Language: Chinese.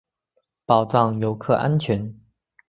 保障游客安全